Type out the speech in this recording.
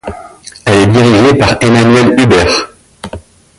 Elle est dirigée par Emmanuel Hubert.